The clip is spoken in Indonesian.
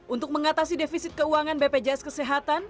untuk mengatasi defisit keuangan bpjs kesehatan